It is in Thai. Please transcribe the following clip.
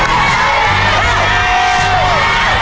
เป้าหมาย